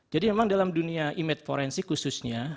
jadi memang dalam dunia image forensik khususnya